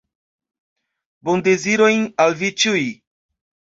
Bondezirojn al vi ĉiuj!